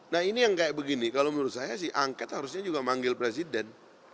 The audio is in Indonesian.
nah ini yang kayak begini kalau menurut saya sih angket harusnya juga manggil presiden